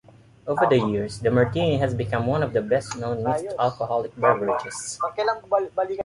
Over the years, the martini has become one of the best-known mixed alcoholic beverages.